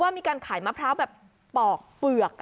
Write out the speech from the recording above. มีการขายมะพร้าวแบบปอกเปลือก